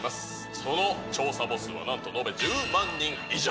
その調査ボスはなんと延べ１０万人以上。